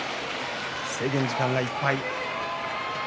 制限時間いっぱい。